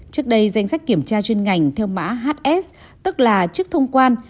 trước đây danh sách kiểm tra chuyên ngành theo mã hs tức là chức thông quan